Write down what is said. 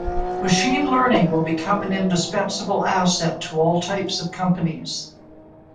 Machine Learning will become an indispensable asset to all types of companies.